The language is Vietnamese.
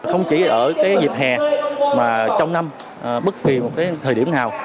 không chỉ ở cái dịp hè mà trong năm bất kỳ một cái thời điểm nào